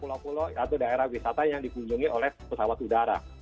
pulau pulau atau daerah wisata yang dikunjungi oleh pesawat udara